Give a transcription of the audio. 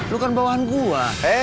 lu kan bawahan gua